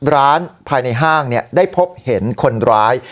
ร้านภายในห้างเนี่ยได้พบเห็นคนร้าย